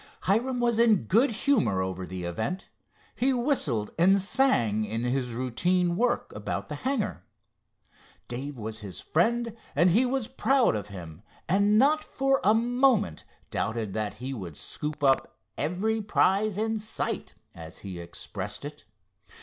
Hiram was in good humor over the event. He whistled and sang in his routine work about the hangar. Dave was his friend and he was proud of him, and not for a moment doubted that he would "scoop up every prize in sight," as he expressed it.